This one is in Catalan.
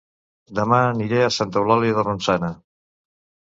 Dema aniré a Santa Eulàlia de Ronçana